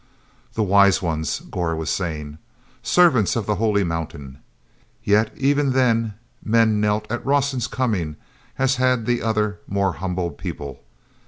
he Wise Ones," Gor was saying. "Servants of the Holy Mountain." Yet even then men knelt at Rawson's coming as had the other more humble people.